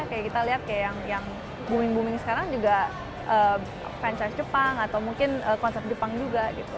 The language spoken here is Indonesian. kita lihat yang booming booming sekarang juga franchise jepang atau mungkin konsep jepang juga